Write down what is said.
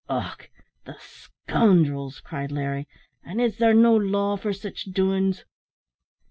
'" "Och, the scoundrels!" cried Larry; "an' is there no law for sich doin's?"